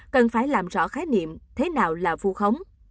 cần phải làm rõ khái niệm thế nào là vu khống